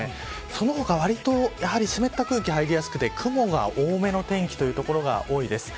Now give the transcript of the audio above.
その他わりと実は湿った空気入りやすくて、雲が多めの天気という所が多いです。